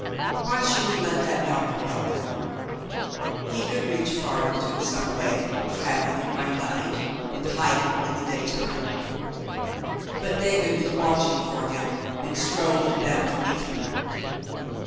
Why should he let that doctor help him ? He could reach Farington some way — travelling by night and hiding in the daytime. But David was watching for him and strolled down to meet him.